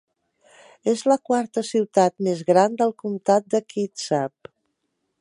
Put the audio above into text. És la quarta ciutat més gran del comtat de Kitsap.